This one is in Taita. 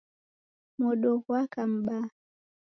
Modo ghwaka m'baa.